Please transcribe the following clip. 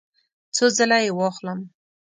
څو ځله یی واخلم؟